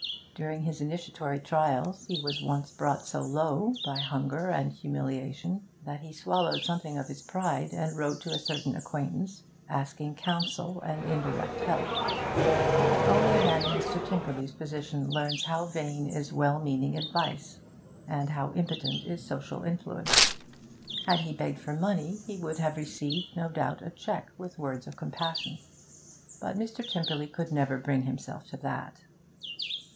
During his initiatory trials he was once brought so low, by hunger and humiliation, that he swallowed something of his pride, and wrote to a certain acquaintance, asking counsel and indirect help. But only a man in Mr. Tymperley's position learns how vain is well meaning advice, and how impotent is social influence. Had he begged for money, he would have received, no doubt, a cheque, with words of compassion; but Mr. Tymperley could never bring himself to that.